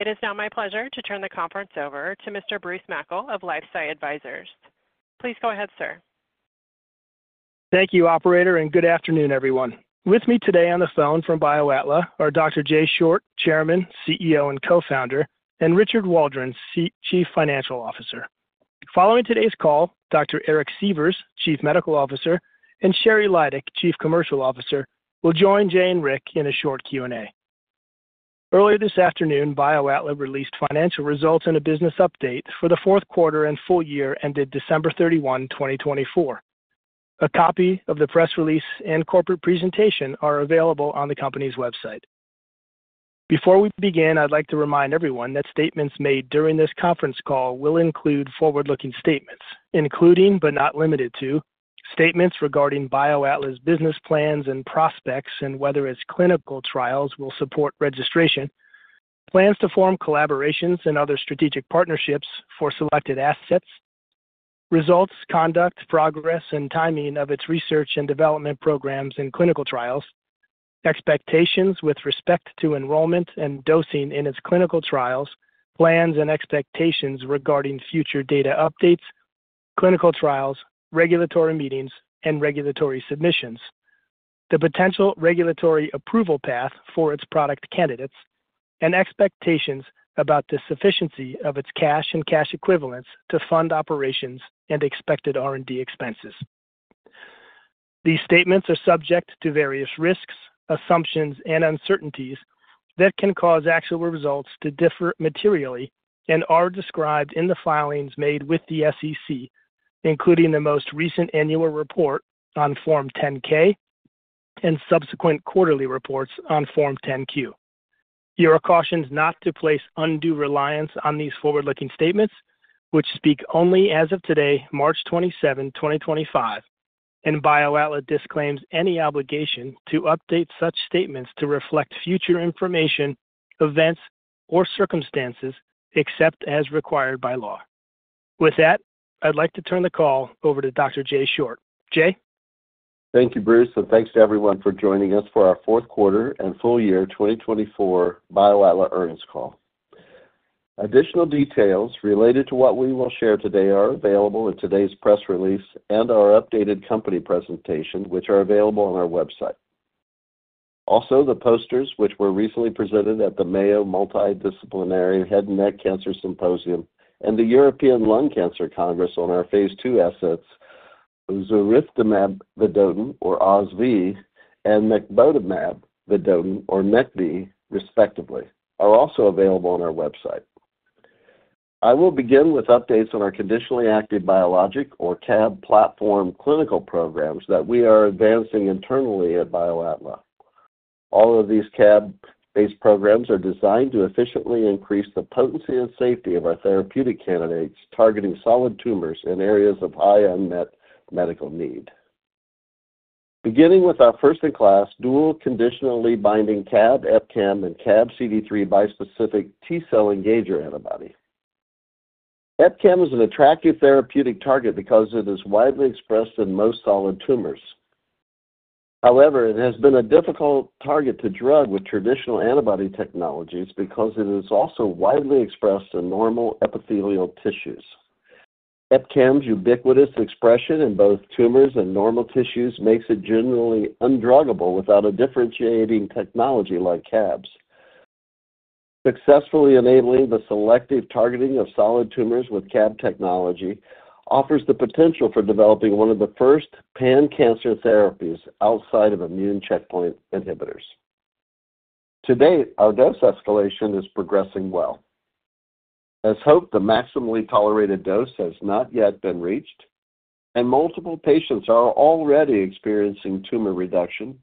It is now my pleasure to turn the conference over to Mr. Bruce Mackle of LifeSci Advisors. Please go ahead, sir. Thank you, Operator, and good afternoon, everyone. With me today on the phone from BioAtla are Dr. Jay Short, Chairman, CEO, and Co-founder, and Richard Waldron, Chief Financial Officer. Following today's call, Dr. Eric Sievers, Chief Medical Officer, and Sheri Lydick, Chief Commercial Officer, will join Jay and Rick in a short Q&A. Earlier this afternoon, BioAtla released financial results and a business update for the fourth quarter and full year ended December 31, 2024. A copy of the press release and corporate presentation are available on the company's website. Before we begin, I'd like to remind everyone that statements made during this conference call will include forward-looking statements, including but not limited to statements regarding BioAtla's business plans and prospects and whether its clinical trials will support registration, plans to form collaborations and other strategic partnerships for selected assets, results, conduct, progress, and timing of its research and development programs and clinical trials, expectations with respect to enrollment and dosing in its clinical trials, plans and expectations regarding future data updates, clinical trials, regulatory meetings, and regulatory submissions, the potential regulatory approval path for its product candidates, and expectations about the sufficiency of its cash and cash equivalents to fund operations and expected R&D expenses. These statements are subject to various risks, assumptions, and uncertainties that can cause actual results to differ materially and are described in the filings made with the SEC, including the most recent annual report on Form 10-K and subsequent quarterly reports on Form 10-Q. You are cautioned not to place undue reliance on these forward-looking statements, which speak only as of today, March 27, 2025, and BioAtla disclaims any obligation to update such statements to reflect future information, events, or circumstances except as required by law. With that, I'd like to turn the call over to Dr. Jay Short. Jay? Thank you, Bruce, and thanks to everyone for joining us for our Fourth Quarter and Full Year 2024 BioAtla Earnings Call. Additional details related to what we will share today are available in today's press release and our updated company presentation, which are available on our website. Also, the posters which were recently presented at the Mayo Multidisciplinary Head and Neck Cancer Symposium and the European Lung Cancer Congress on our phase II assets, ozurithamab vedotin, or Oz-V, and mecbotamab vedotin, or Mec-V, respectively, are also available on our website. I will begin with updates on our conditionally active biologic, or CAB, platform clinical programs that we are advancing internally at BioAtla. All of these CAB-based programs are designed to efficiently increase the potency and safety of our therapeutic candidates targeting solid tumors in areas of high unmet medical need. Beginning with our first-in-class dual conditionally binding CAB, EpCAM, and CAB-CD3 bispecific T-cell engager antibody. EpCAM is an attractive therapeutic target because it is widely expressed in most solid tumors. However, it has been a difficult target to drug with traditional antibody technologies because it is also widely expressed in normal epithelial tissues. EpCAM's ubiquitous expression in both tumors and normal tissues makes it generally undruggable without a differentiating technology like CABs. Successfully enabling the selective targeting of solid tumors with CAB technology offers the potential for developing one of the first pan-cancer therapies outside of immune checkpoint inhibitors. To date, our dose escalation is progressing well. As hoped, the maximally tolerated dose has not yet been reached, and multiple patients are already experiencing tumor reduction,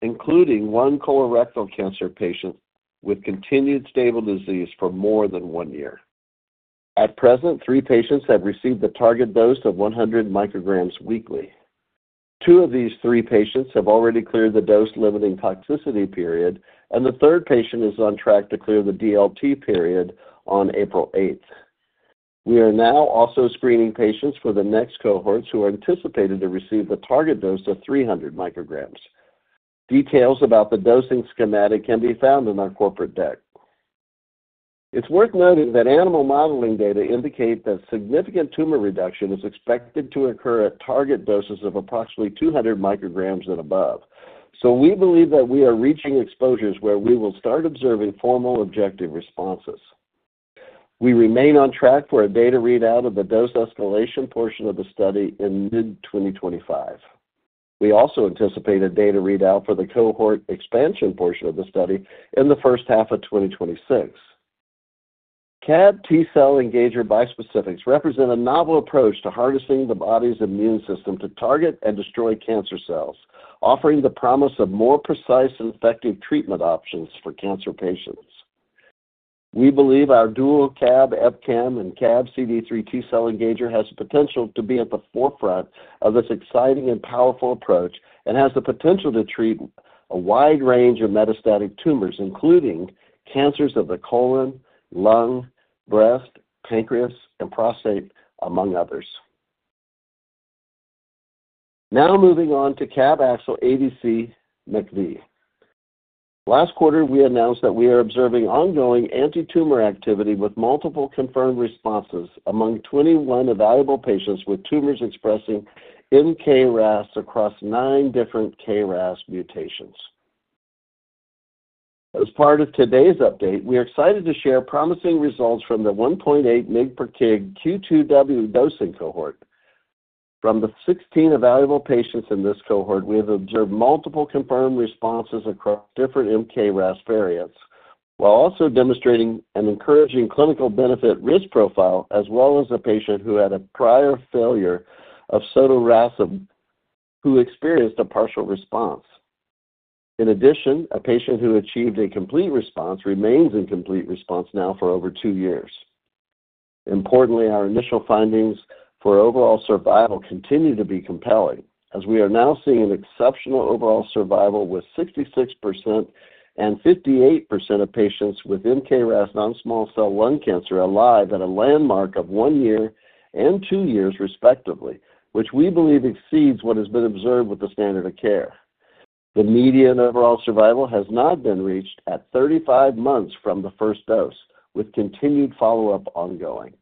including one colorectal cancer patient with continued stable disease for more than one year. At present, three patients have received the target dose of 100 micrograms weekly. Two of these three patients have already cleared the dose-limiting toxicity period, and the third patient is on track to clear the DLT period on April 8th. We are now also screening patients for the next cohorts who are anticipated to receive the target dose of 300 micrograms. Details about the dosing schematic can be found in our corporate deck. It's worth noting that animal modeling data indicate that significant tumor reduction is expected to occur at target doses of approximately 200 micrograms and above, so we believe that we are reaching exposures where we will start observing formal objective responses. We remain on track for a data readout of the dose escalation portion of the study in mid-2025. We also anticipate a data readout for the cohort expansion portion of the study in the first half of 2026. CAB T-cell engager bispecifics represent a novel approach to harnessing the body's immune system to target and destroy cancer cells, offering the promise of more precise and effective treatment options for cancer patients. We believe our dual CAB, EpCAM, and CAB-CD3 T-cell engager has the potential to be at the forefront of this exciting and powerful approach and has the potential to treat a wide range of metastatic tumors, including cancers of the colon, lung, breast, pancreas, and prostate, among others. Now moving on to CAB AXL ADC, Mec-V. Last quarter, we announced that we are observing ongoing anti-tumor activity with multiple confirmed responses among 21 evaluable patients with tumors expressing mKRAS across nine different KRAS mutations. As part of today's update, we are excited to share promising results from the 1.8 mg/kg Q2W dosing cohort. From the 16 evaluable patients in this cohort, we have observed multiple confirmed responses across different mKRAS variants while also demonstrating an encouraging clinical benefit risk profile, as well as a patient who had a prior failure of sotorasib who experienced a partial response. In addition, a patient who achieved a complete response remains in complete response now for over two years. Importantly, our initial findings for overall survival continue to be compelling, as we are now seeing an exceptional overall survival with 66% and 58% of patients with mKRAS non-small cell lung cancer alive at a landmark of one year and two years, respectively, which we believe exceeds what has been observed with the standard of care. The median overall survival has not been reached at 35 months from the first dose, with continued follow-up ongoing.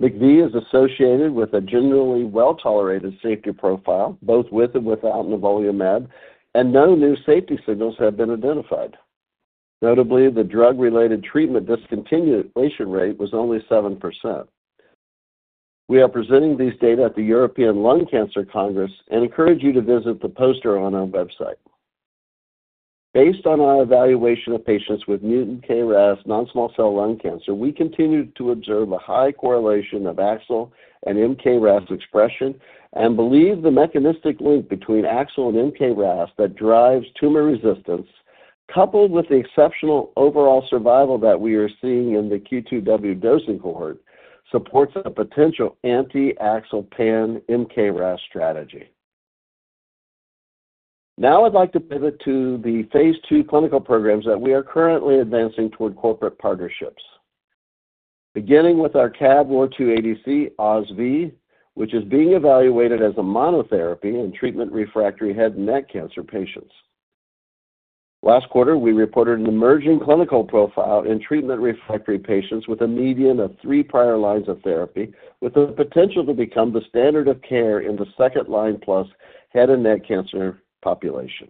Mec-V is associated with a generally well-tolerated safety profile, both with and without nivolumab, and no new safety signals have been identified. Notably, the drug-related treatment discontinuation rate was only 7%. We are presenting these data at the European Lung Cancer Congress and encourage you to visit the poster on our website. Based on our evaluation of patients with mutant KRAS non-small cell lung cancer, we continue to observe a high correlation of AXL and mKRAS expression and believe the mechanistic link between AXL and mKRAS that drives tumor resistance, coupled with the exceptional overall survival that we are seeing in the Q2W dosing cohort, supports a potential anti-AXL pan mKRAS strategy. Now I'd like to pivot to the phase II clinical programs that we are currently advancing toward corporate partnerships, beginning with our CAB ROR2 ADC, Oz-V, which is being evaluated as a monotherapy in treatment refractory head and neck cancer patients. Last quarter, we reported an emerging clinical profile in treatment refractory patients with a median of three prior lines of therapy, with the potential to become the standard of care in the second-line plus head and neck cancer population.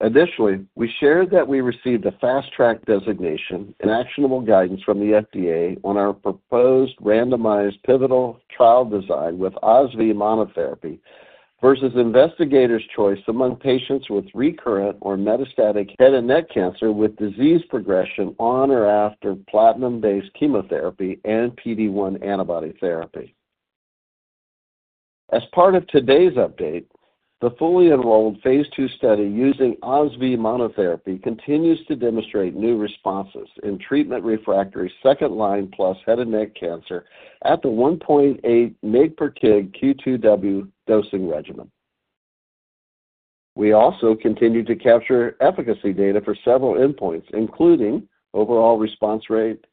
Additionally, we shared that we received a fast-track designation and actionable guidance from the FDA on our proposed randomized pivotal trial design with Oz-V monotherapy versus investigators' choice among patients with recurrent or metastatic head and neck cancer with disease progression on or after platinum-based chemotherapy and PD-1 antibody therapy. As part of today's update, the fully enrolled phase II study using Oz-V monotherapy continues to demonstrate new responses in treatment refractory second-line plus head and neck cancer at the 1.8 mg/kg Q2W dosing regimen. We also continue to capture efficacy data for several endpoints, including overall response rate,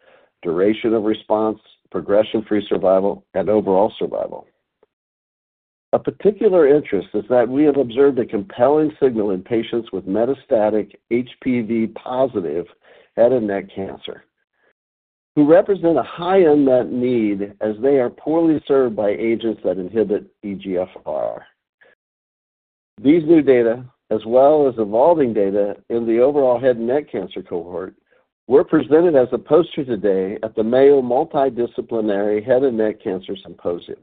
duration of response, progression-free survival, and overall survival. A particular interest is that we have observed a compelling signal in patients with metastatic HPV-positive head and neck cancer who represent a high unmet need as they are poorly served by agents that inhibit EGFR. These new data, as well as evolving data in the overall head and neck cancer cohort, were presented as a poster today at the Mayo Multidisciplinary Head and Neck Cancer Symposium.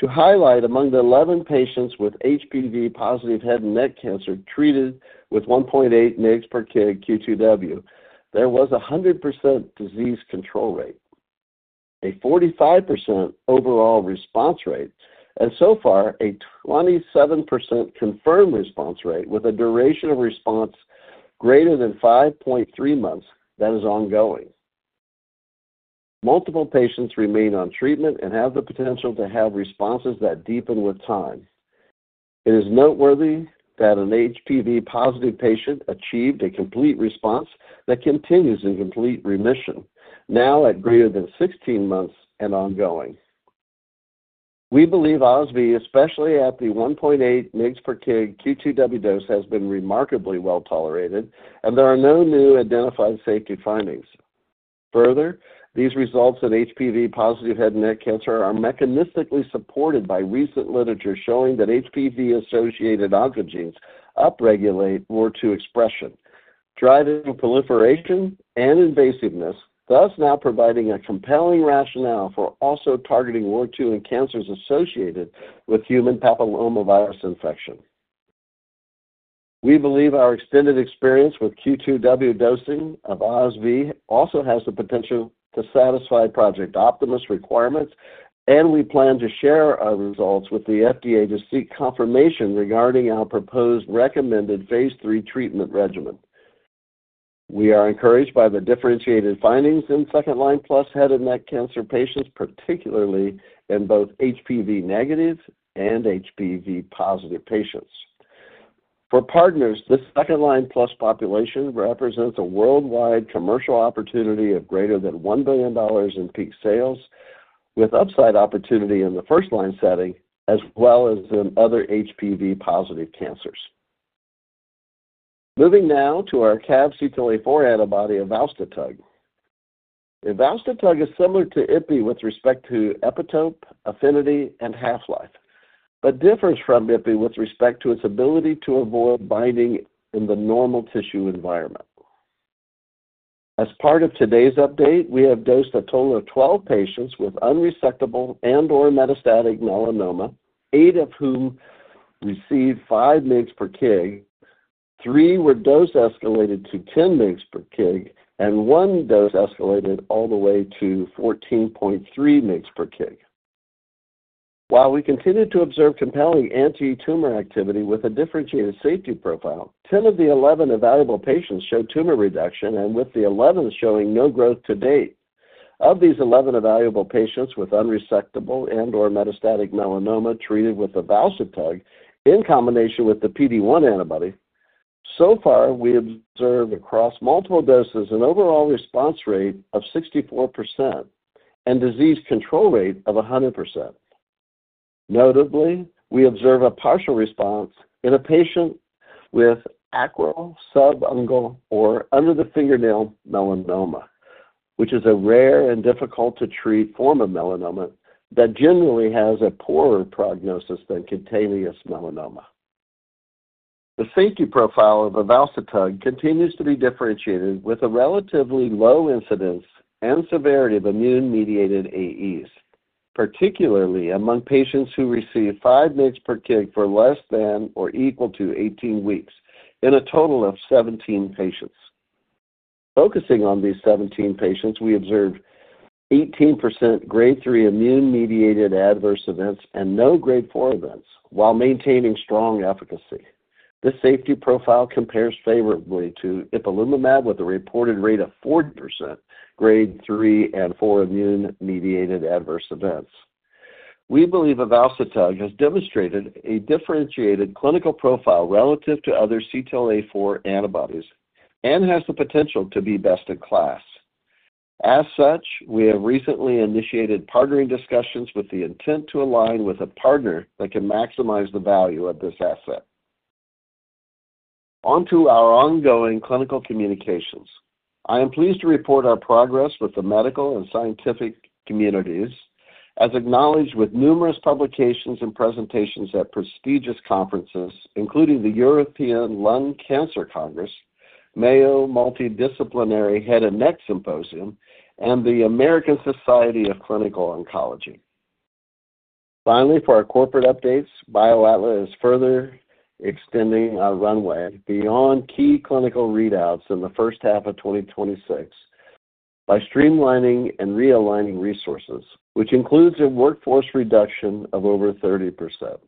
To highlight, among the 11 patients with HPV-positive head and neck cancer treated with 1.8 mg/kg Q2W, there was a 100% disease control rate, a 45% overall response rate, and so far a 27% confirmed response rate with a duration of response greater than 5.3 months that is ongoing. Multiple patients remain on treatment and have the potential to have responses that deepen with time. It is noteworthy that an HPV-positive patient achieved a complete response that continues in complete remission, now at greater than 16 months and ongoing. We believe Oz-V, especially at the 1.8 mg/kg Q2W dose, has been remarkably well tolerated, and there are no new identified safety findings. Further, these results in HPV-positive head and neck cancer are mechanistically supported by recent literature showing that HPV-associated oncogenes upregulate ROR2 expression, driving proliferation and invasiveness, thus now providing a compelling rationale for also targeting ROR2 in cancers associated with human papillomavirus infection. We believe our extended experience with Q2W dosing of Oz-V also has the potential to satisfy Project Optimus requirements, and we plan to share our results with the FDA to seek confirmation regarding our proposed recommended phase III treatment regimen. We are encouraged by the differentiated findings in second-line plus head and neck cancer patients, particularly in both HPV-negative and HPV-positive patients. For partners, the second-line plus population represents a worldwide commercial opportunity of greater than $1 billion in peak sales, with upside opportunity in the first-line setting, as well as in other HPV-positive cancers. Moving now to our CAB-CD4 antibody evalstotug. Evalstotug is similar to Ipi with respect to epitope, affinity, and half-life, but differs from Ipi with respect to its ability to avoid binding in the normal tissue environment. As part of today's update, we have dosed a total of 12 patients with unresectable and/or metastatic melanoma, eight of whom received 5 mg/kg, three were dose escalated to 10 mg/kg, and one dose escalated all the way to 14.3 mg/kg. While we continue to observe compelling anti-tumor activity with a differentiated safety profile, 10 of the 11 evaluable patients showed tumor reduction, and with the 11 showing no growth to date. Of these 11 evaluable patients with unresectable and/or metastatic melanoma treated with evalstotug in combination with the PD-1 antibody, so far we observe across multiple doses an overall response rate of 64% and disease control rate of 100%. Notably, we observe a partial response in a patient with acral, subungual, or under-the-fingernail melanoma, which is a rare and difficult-to-treat form of melanoma that generally has a poorer prognosis than cutaneous melanoma. The safety profile of evalstotug continues to be differentiated with a relatively low incidence and severity of immune-mediated AEs, particularly among patients who received 5 mg/kg for less than or equal to 18 weeks in a total of 17 patients. Focusing on these 17 patients, we observed 18% grade 3 immune-mediated adverse events and no grade 4 events while maintaining strong efficacy. This safety profile compares favorably to ipilimumab with a reported rate of 40% grade 3 and 4 immune-mediated adverse events. We believe evalstotug has demonstrated a differentiated clinical profile relative to other CTLA-4 antibodies and has the potential to be best in class. As such, we have recently initiated partnering discussions with the intent to align with a partner that can maximize the value of this asset. Onto our ongoing clinical communications. I am pleased to report our progress with the medical and scientific communities, as acknowledged with numerous publications and presentations at prestigious conferences, including the European Lung Cancer Congress, Mayo Multidisciplinary Head and Neck Symposium, and the American Society of Clinical Oncology. Finally, for our corporate updates, BioAtla is further extending our runway beyond key clinical readouts in the first half of 2026 by streamlining and realigning resources, which includes a workforce reduction of over 30%.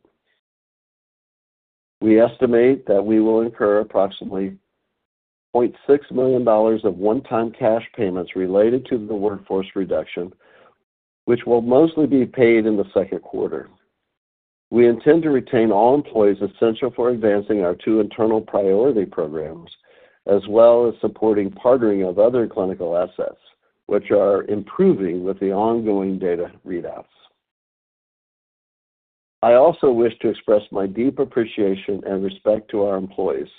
We estimate that we will incur approximately $0.6 million of one-time cash payments related to the workforce reduction, which will mostly be paid in the second quarter. We intend to retain all employees essential for advancing our two internal priority programs, as well as supporting partnering of other clinical assets, which are improving with the ongoing data readouts. I also wish to express my deep appreciation and respect to our employees,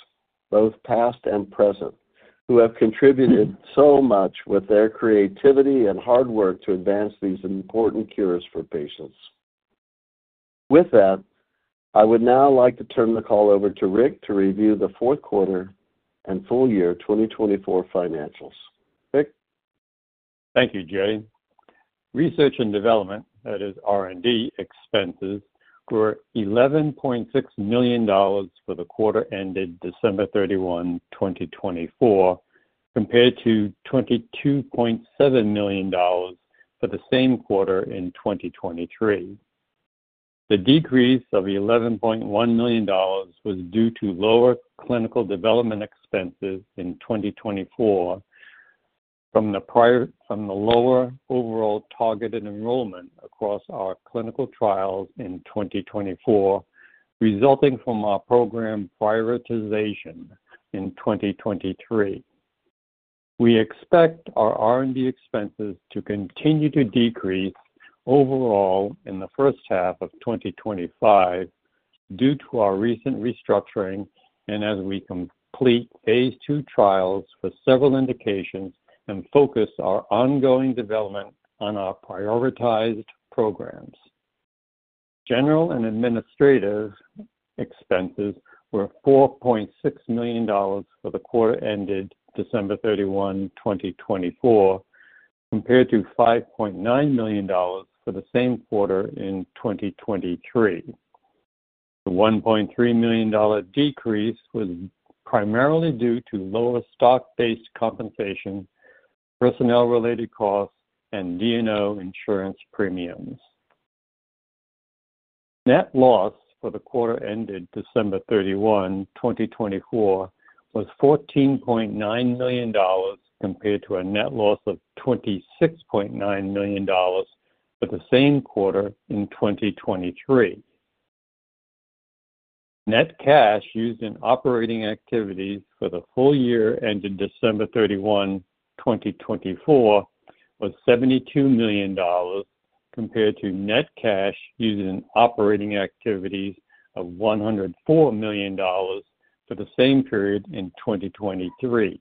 both past and present, who have contributed so much with their creativity and hard work to advance these important cures for patients. With that, I would now like to turn the call over to Rick to review the fourth quarter and full year 2024 financials. Rick. Thank you, Jay. Research and development, that is R&D, expenses were $11.6 million for the quarter ended December 31, 2024, compared to $22.7 million for the same quarter in 2023. The decrease of $11.1 million was due to lower clinical development expenses in 2024 from the lower overall targeted enrollment across our clinical trials in 2024, resulting from our program prioritization in 2023. We expect our R&D expenses to continue to decrease overall in the first half of 2025 due to our recent restructuring and as we complete phase II trials for several indications and focus our ongoing development on our prioritized programs. General and administrative expenses were $4.6 million for the quarter ended December 31, 2024, compared to $5.9 million for the same quarter in 2023. The $1.3 million decrease was primarily due to lower stock-based compensation, personnel-related costs, and D&O insurance premiums. Net loss for the quarter ended December 31, 2024, was $14.9 million compared to a net loss of $26.9 million for the same quarter in 2023. Net cash used in operating activities for the full year ended December 31, 2024, was $72 million compared to net cash used in operating activities of $104 million for the same period in 2023.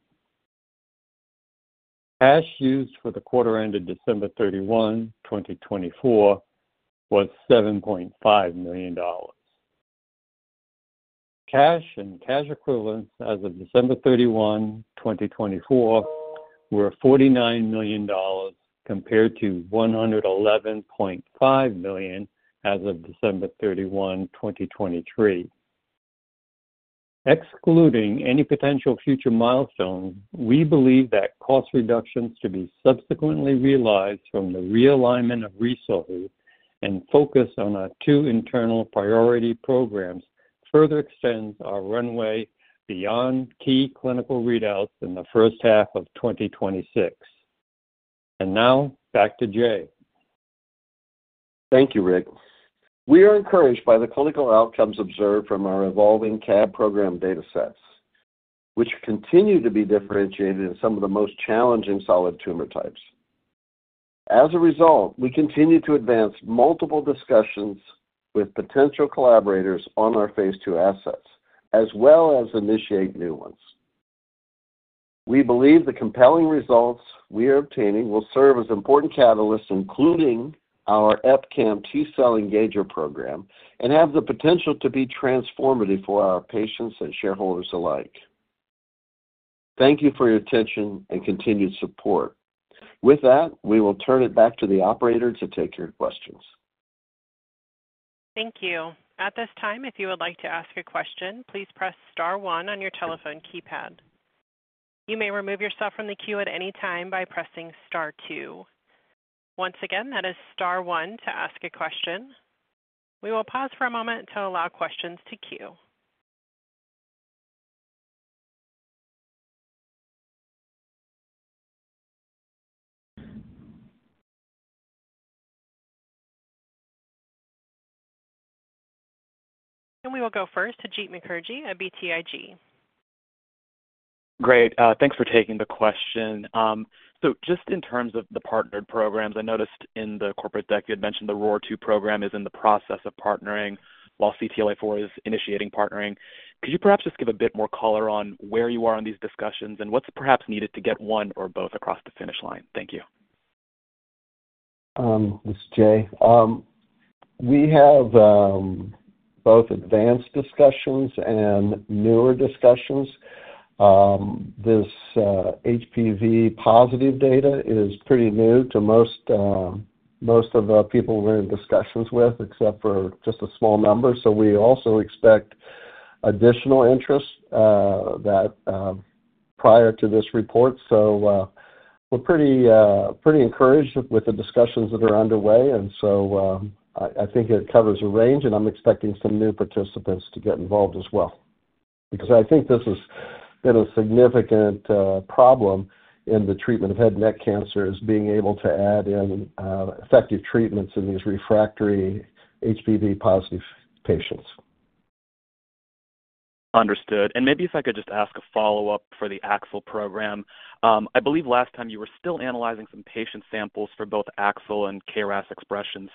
Cash used for the quarter ended December 31, 2024, was $7.5 million. Cash and cash equivalents as of December 31, 2024, were $49 million compared to $111.5 million as of December 31, 2023. Excluding any potential future milestones, we believe that cost reductions to be subsequently realized from the realigning of resources and focus on our two internal priority programs further extends our runway beyond key clinical readouts in the first half of 2026. Thank you, Rick. We are encouraged by the clinical outcomes observed from our evolving CAB program data sets, which continue to be differentiated in some of the most challenging solid tumor types. As a result, we continue to advance multiple discussions with potential collaborators on our phase II assets, as well as initiate new ones. We believe the compelling results we are obtaining will serve as important catalysts, including our EpCAM T-cell engager program, and have the potential to be transformative for our patients and shareholders alike. Thank you for your attention and continued support. With that, we will turn it back to the operator to take your questions. Thank you. At this time, if you would like to ask a question, please press star one on your telephone keypad. You may remove yourself from the queue at any time by pressing star two. Once again, that is star one to ask a question. We will pause for a moment to allow questions to queue. We will go first to Jeet Mukherjee at BTIG. Great. Thanks for taking the question. Just in terms of the partnered programs, I noticed in the corporate deck you had mentioned the ROR2 program is in the process of partnering while CTLA-4 is initiating partnering. Could you perhaps just give a bit more color on where you are on these discussions and what's perhaps needed to get one or both across the finish line? Thank you. This is Jay. We have both advanced discussions and newer discussions. This HPV-positive data is pretty new to most of the people we're in discussions with, except for just a small number. We also expect additional interest prior to this report. We're pretty encouraged with the discussions that are underway. I think it covers a range, and I'm expecting some new participants to get involved as well. Because I think this has been a significant problem in the treatment of head and neck cancer is being able to add in effective treatments in these refractory HPV-positive patients. Understood. Maybe if I could just ask a follow-up for the AXL program. I believe last time you were still analyzing some patient samples for both AXL and KRAS expression.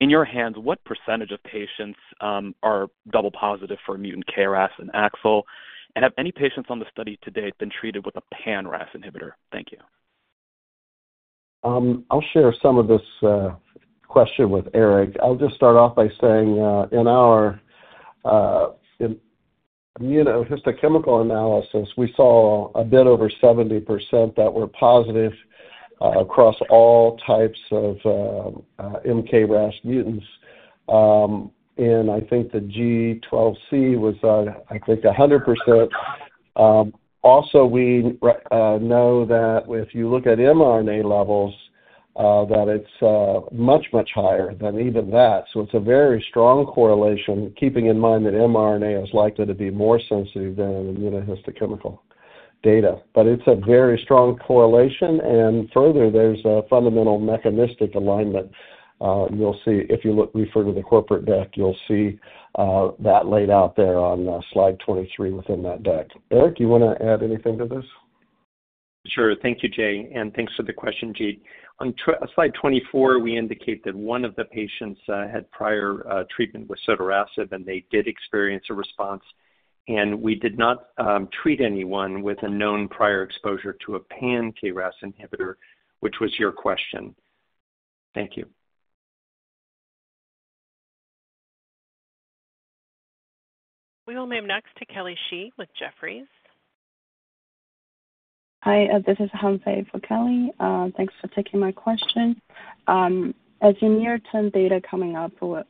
In your hands, what percentage of patients are double positive for mutant KRAS and AXL? Have any patients on the study to date been treated with a pan-RAS inhibitor? Thank you. I'll share some of this question with Eric. I'll just start off by saying in our immunohistochemical analysis, we saw a bit over 70% that were positive across all types of mKRAS mutants. I think the G12C was, I think, 100%. Also, we know that if you look at mRNA levels, that it's much, much higher than even that. It's a very strong correlation, keeping in mind that mRNA is likely to be more sensitive than immunohistochemical data. It's a very strong correlation. Further, there's a fundamental mechanistic alignment. You'll see if you refer to the corporate deck, you'll see that laid out there on slide 23 within that deck. Eric, you want to add anything to this? Sure. Thank you, Jay. Thanks for the question, Jeet. On slide 24, we indicate that one of the patients had prior treatment with sotorasib, and they did experience a response. We did not treat anyone with a known prior exposure to a pan-KRAS inhibitor, which was your question. Thank you. We will move next to Kelly Shi with Jefferies. Hi. This is Humphrey for Kelly. Thanks for taking my question. As you near-term data coming up with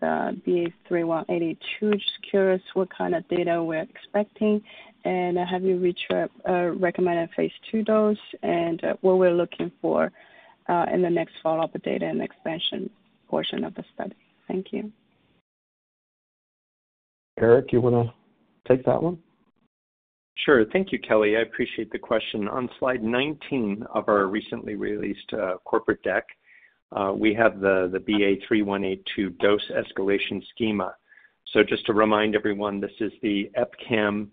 BA3182, just curious what kind of data we're expecting and have you reached a recommended phase II dose and what we're looking for in the next follow-up data and expansion portion of the study. Thank you. Eric, you want to take that one? Sure. Thank you, Kelly. I appreciate the question. On slide 19 of our recently released corporate deck, we have the BA3182 dose escalation schema. Just to remind everyone, this is the EpCAM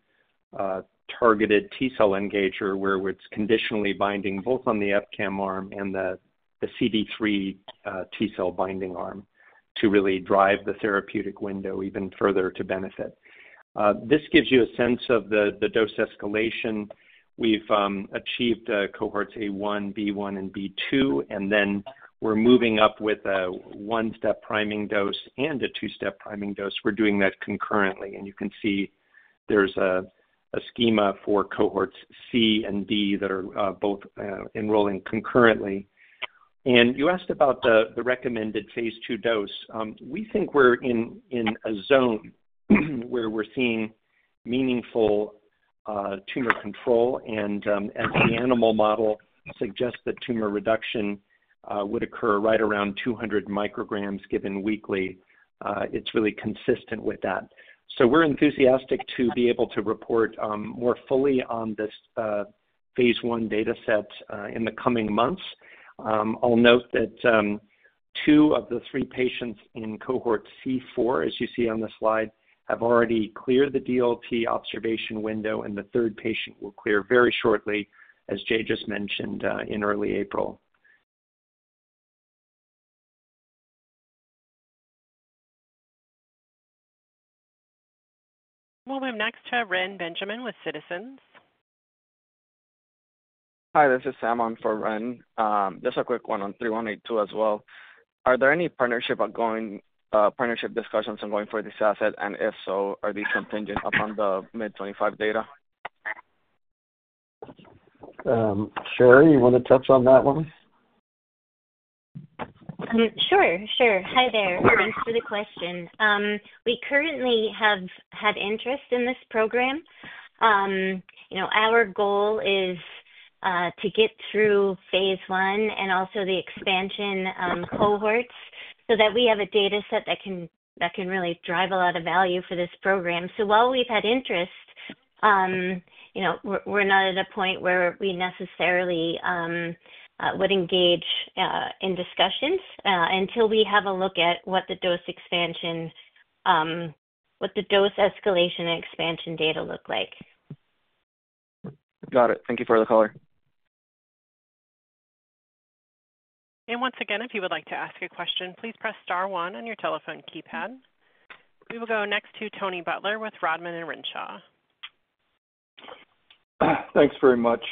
targeted T-cell engager where it's conditionally binding both on the EpCAM arm and the CD3 T-cell binding arm to really drive the therapeutic window even further to benefit. This gives you a sense of the dose escalation. We've achieved cohorts A1, B1, and B2, and then we're moving up with a one-step priming dose and a two-step priming dose. We're doing that concurrently. You can see there's a schema for cohorts C and D that are both enrolling concurrently. You asked about the recommended phase II dose. We think we're in a zone where we're seeing meaningful tumor control. As the animal model suggests that tumor reduction would occur right around 200 micrograms given weekly, it's really consistent with that. We are enthusiastic to be able to report more fully on this phase I data set in the coming months. I'll note that two of the three patients in cohort C4, as you see on the slide, have already cleared the DLT observation window, and the third patient will clear very shortly, as Jay just mentioned, in early April. We'll move next to Reni Benjamin with Citizens. Hi. This is Simon for Reni. Just a quick one on 3182 as well. Are there any partnership discussions ongoing for this asset? If so, are these contingent upon the mid-2025 data? Sheri, you want to touch on that one? Sure. Sure. Hi there. Thanks for the question. We currently have had interest in this program. Our goal is to get through phase I and also the expansion cohorts so that we have a data set that can really drive a lot of value for this program. While we've had interest, we're not at a point where we necessarily would engage in discussions until we have a look at what the dose escalation and expansion data look like. Got it. Thank you for the color. Once again, if you would like to ask a question, please press star one on your telephone keypad. We will go next to Tony Butler with Rodman & Renshaw. Thanks very much.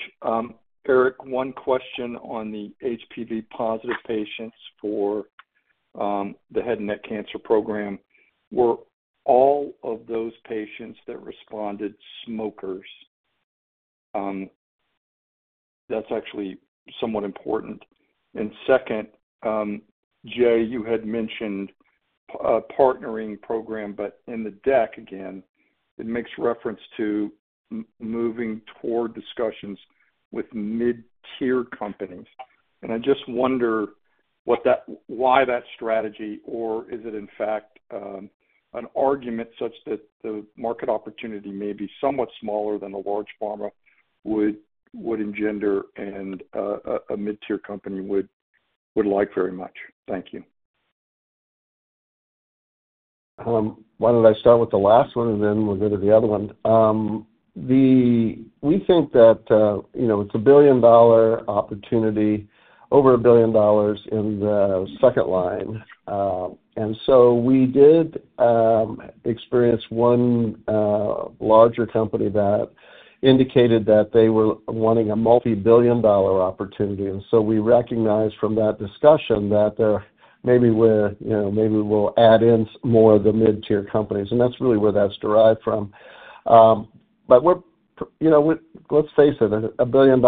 Eric, one question on the HPV-positive patients for the head and neck cancer program. Were all of those patients that responded smokers? That's actually somewhat important. Jay, you had mentioned a partnering program, but in the deck again, it makes reference to moving toward discussions with mid-tier companies. I just wonder why that strategy, or is it in fact an argument such that the market opportunity may be somewhat smaller than a large pharma would engender and a mid-tier company would like very much? Thank you. Why don't I start with the last one, and then we'll go to the other one? We think that it's a billion-dollar opportunity, over a billion dollars in the second line. We did experience one larger company that indicated that they were wanting a multi-billion dollar opportunity. We recognized from that discussion that maybe we'll add in more of the mid-tier companies. That is really where that is derived from. Let's face it, a $1 billion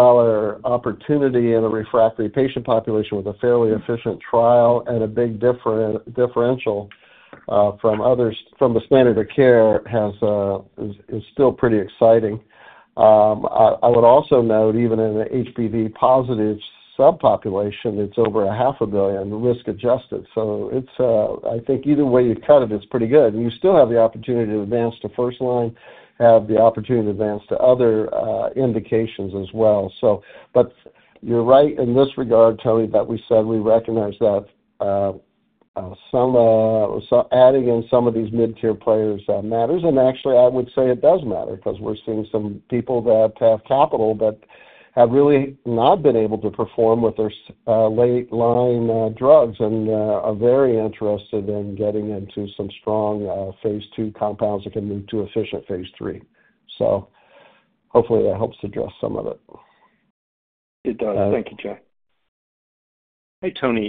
opportunity in a refractory patient population with a fairly efficient trial and a big differential from the standard of care is still pretty exciting. I would also note, even in the HPV-positive subpopulation, it is over $500 million risk-adjusted. I think either way you cut it, it is pretty good. You still have the opportunity to advance to first line, have the opportunity to advance to other indications as well. You are right in this regard, Tony, that we said we recognize that adding in some of these mid-tier players matters. Actually, I would say it does matter because we're seeing some people that have capital but have really not been able to perform with their late-line drugs and are very interested in getting into some strong phase II compounds that can move to efficient phase III. Hopefully, that helps address some of it. It does. Thank you, Jay. Hey, Tony.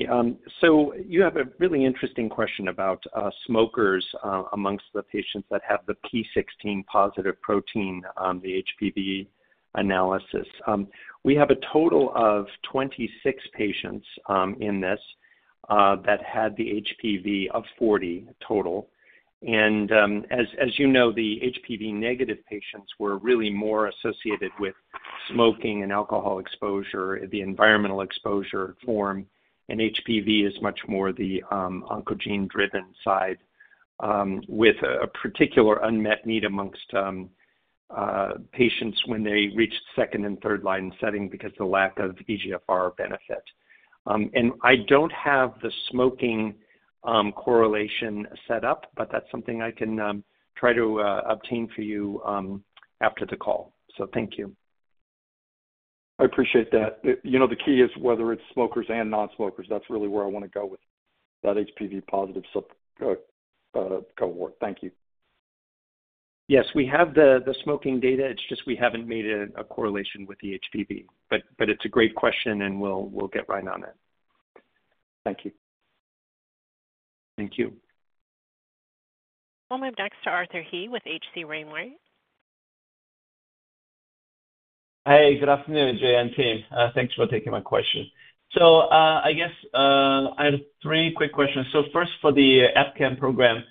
You have a really interesting question about smokers amongst the patients that have the p16 positive protein on the HPV analysis. We have a total of 26 patients in this that had the HPV of 40 total. As you know, the HPV-negative patients were really more associated with smoking and alcohol exposure, the environmental exposure form. HPV is much more the oncogene-driven side with a particular unmet need amongst patients when they reached second and third line setting because of the lack of EGFR benefit. I do not have the smoking correlation set up, but that is something I can try to obtain for you after the call. Thank you. I appreciate that. The key is whether it is smokers and non-smokers. That is really where I want to go with that HPV-positive cohort. Thank you. Yes, we have the smoking data. It is just we have not made a correlation with the HPV. It is a great question, and we will get right on it. Thank you. Thank you. We will move next to Arthur He with HC Wainwright. Hey, good afternoon, Jay and team. Thanks for taking my question. I have three quick questions. First, for the EpCAM program,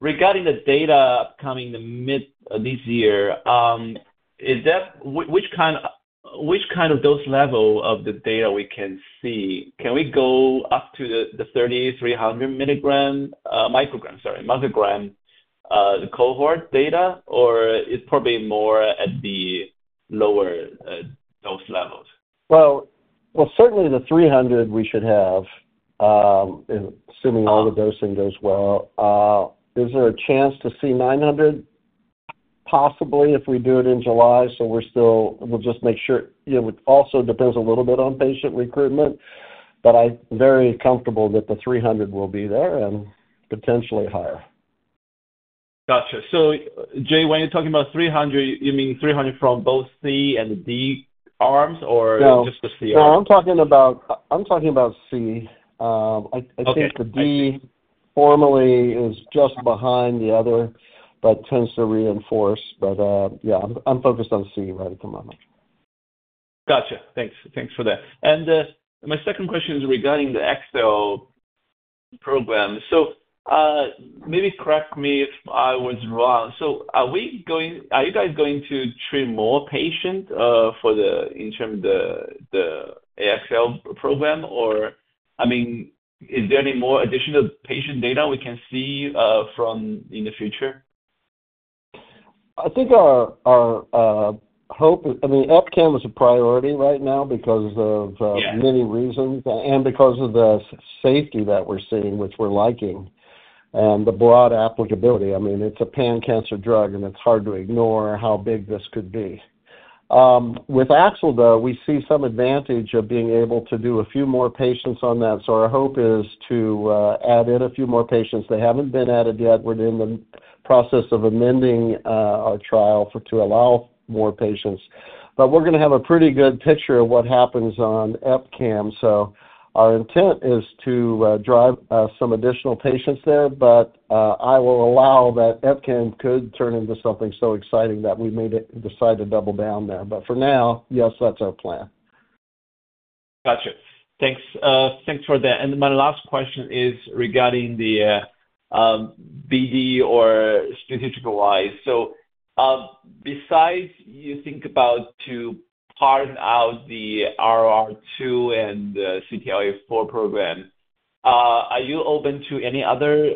regarding the data coming this year, which kind of dose level of the data can we see? Can we go up to the 3,300 micrograms, sorry, microgram cohort data, or it's probably more at the lower dose levels? Certainly the 300 we should have, assuming all the dosing goes well. Is there a chance to see 900 possibly if we do it in July? We'll just make sure. It also depends a little bit on patient recruitment, but I'm very comfortable that the 300 will be there and potentially higher. Gotcha. Jay, when you're talking about 300, you mean 300 from both C and D arms, or just the C arms? No, I'm talking about C. I think the D formally is just behind the other, but tends to reinforce. Yeah, I'm focused on C right at the moment. Gotcha. Thanks for that. My second question is regarding the AXL program. Maybe correct me if I was wrong. Are you guys going to treat more patients in terms of the AXL program, or I mean, is there any more additional patient data we can see in the future? I think our hope is, I mean, EpCAM is a priority right now because of many reasons and because of the safety that we're seeing, which we're liking, and the broad applicability. I mean, it's a pan-cancer drug, and it's hard to ignore how big this could be. With AXL, though, we see some advantage of being able to do a few more patients on that. Our hope is to add in a few more patients. They haven't been added yet. We're in the process of amending our trial to allow more patients. We're going to have a pretty good picture of what happens on EpCAM. Our intent is to drive some additional patients there, but I will allow that EpCAM could turn into something so exciting that we may decide to double down there. For now, yes, that's our plan. Gotcha. Thanks for that. My last question is regarding the BD or strategic-wise. Besides you think about to part out the ROR2 and CTLA-4 program, are you open to any other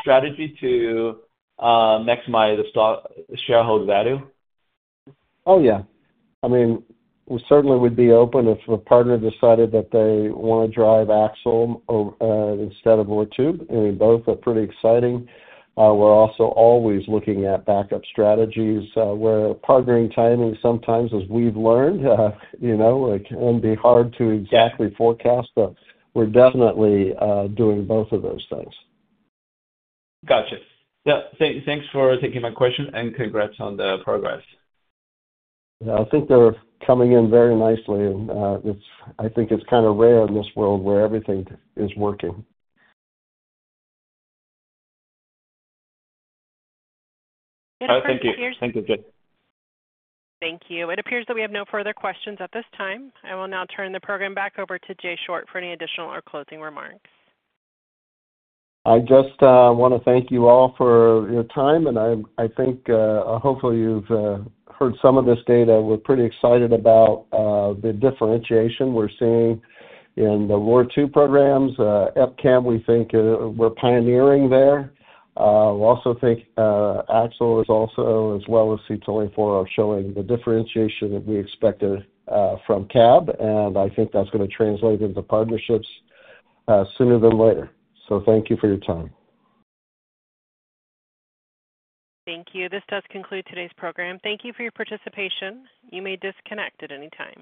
strategy to maximize the shareholder value? Oh, yeah. I mean, we certainly would be open if a partner decided that they want to drive AXL instead of Oz-V, and both are pretty exciting. We're also always looking at backup strategies where partnering timing sometimes, as we've learned, can be hard to exactly forecast, but we're definitely doing both of those things. Gotcha. Thanks for taking my question, and congrats on the progress. I think they're coming in very nicely. I think it's kind of rare in this world where everything is working. Thank you. Thank you. Thank you. It appears that we have no further questions at this time. I will now turn the program back over to Jay Short for any additional or closing remarks. I just want to thank you all for your time. I think hopefully you've heard some of this data. We're pretty excited about the differentiation we're seeing in the ROR2 programs. EpCAM, we think we're pioneering there. We also think AXL is also, as well as CTLA-4, are showing the differentiation that we expected from CAB. I think that's going to translate into partnerships sooner than later. Thank you for your time. Thank you. This does conclude today's program. Thank you for your participation. You may disconnect at any time.